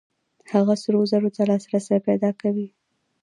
هغه سرو زرو ته لاسرسی پیدا کوي.